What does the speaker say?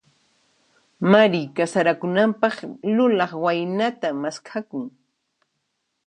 Mari kasarakunanpaq, lulaq waynata maskhakun.